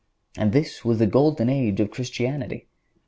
And this was the golden age of Christianity!